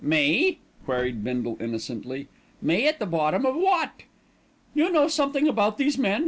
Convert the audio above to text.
"Me?" queried Bindle innocently; "me at the bottom of wot?" "You know something about these men.